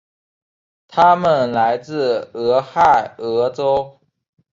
他们来自俄亥俄州。